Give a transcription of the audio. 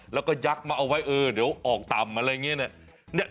แล้วก็ยักษ์มาเอาไว้เออเดี๋ยวออกต่ำอะไรอย่างนี้เนี่ย